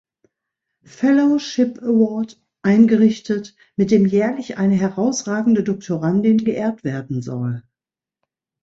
Fellowship Award" eingerichtet, mit dem jährlich eine herausragende Doktorandin geehrt werden soll.